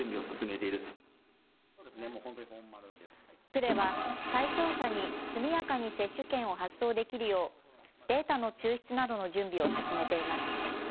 区では対象者に速やかに接種券を発送できるようデータの抽出などの準備を進めています。